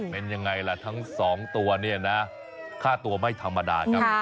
เป็นยังไงล่ะทั้งสองตัวเนี่ยนะค่าตัวไม่ธรรมดาครับ